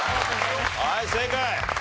はい正解！